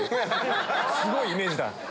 すごいイメージだ。